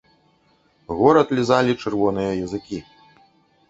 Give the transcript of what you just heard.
Горад лізалі чырвоныя языкі.